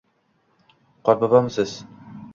- Qorbobomisiz?!